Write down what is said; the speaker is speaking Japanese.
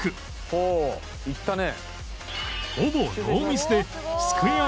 「ほういったね」